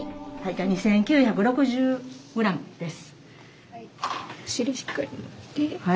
２，９６０ｇです。